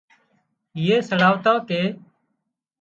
هيئي سڙاواتان ڪي